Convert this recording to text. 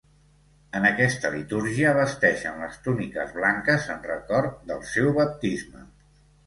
En aquesta litúrgia vesteixen les túniques blanques en record del seu baptisme.